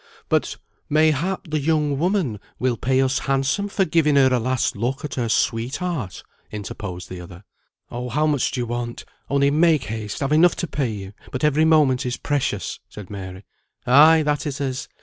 "But, mayhap, the young woman will pay us handsome for giving her a last look at her sweetheart," interposed the other. "Oh, how much do you want? Only make haste I've enough to pay you, but every moment is precious," said Mary. "Ay, that it is.